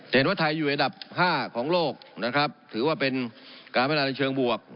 เห็นว่าไทยอยู่ในอันดับ๕ของโลกถือว่าเป็นการม่านานเชิงบวก